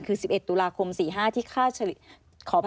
มีเป็นติดตุลาคม๔๕ที่ขอโทษกับ